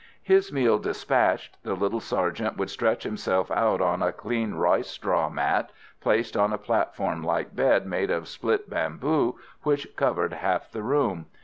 His meal despatched, the little sergeant would stretch himself out on a clean rice straw mat placed on a platform like bed made of split bamboo which covered half the room.